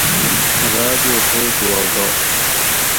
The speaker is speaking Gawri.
راجو سوچ وا گا